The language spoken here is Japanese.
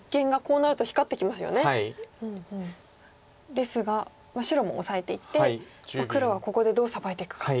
ですが白もオサえていって黒はここでどうサバいていくか。